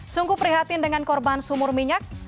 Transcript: sungguh prihatin dengan korban sumur minyak